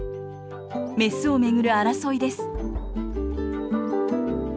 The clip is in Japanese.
メスを巡る争いです。